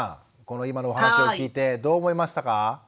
この今のお話を聞いてどう思いましたか？